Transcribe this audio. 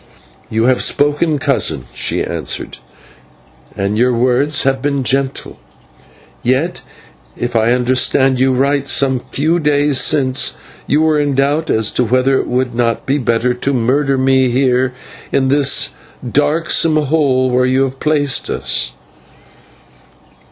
"You have spoken, cousin," she answered, "and your words have been gentle; yet, if I understand you right, some few days since you were in doubt as to whether it would not be better to murder me here in this darksome hole where you have placed us."